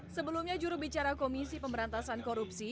sebelumnya jurubicara komisi pemberantasan korupsi